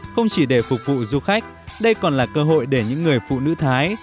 không chỉ để phục vụ du khách đây còn là cơ hội để những người phụ nữ thái